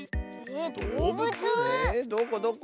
どこどこ？